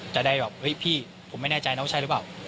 จะได้แบบเฮ้ยพี่ผมไม่แน่ใจน้องใช่หรือเปล่า